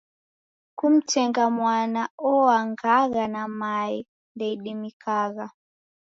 Kumtenga mwana uongagha na mae ndeidimikagha.